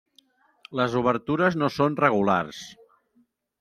Les obertures no són regulars.